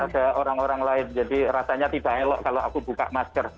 ada orang orang lain jadi rasanya tidak elok kalau aku buka masker